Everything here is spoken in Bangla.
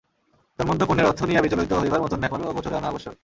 তন্মধ্যে পণের অর্থ নিয়া বিচলিত হইবার মতন ব্যাপারও গোচরে আনা আবশ্যক।